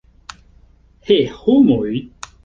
He, homoj!